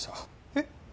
えっ？